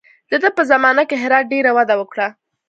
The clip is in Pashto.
د ده په زمانه کې هرات ډېره وده وکړه.